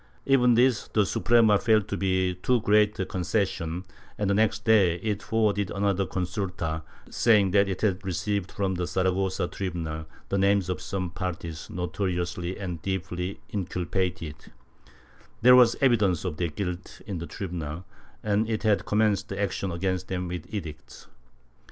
Even this the Suprema felt to be too great a concession, and the next day it forwarded another consulta, saying that it had received from the Saragossa tribunal the names of some parties notoriously and deeply inculpated ; there was evidence of tlieir guilt in the tribunal and it had commenced action against them with edicts.